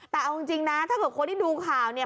แต่เอาจริงนะถ้าเกิดคนที่ดูข่าวเนี่ย